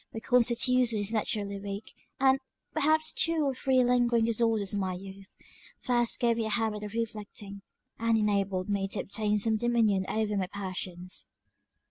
My constitution is naturally weak; and, perhaps, two or three lingering disorders in my youth, first gave me a habit of reflecting, and enabled me to obtain some dominion over my passions.